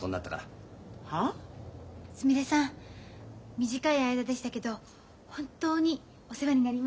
短い間でしたけど本当にお世話になりました。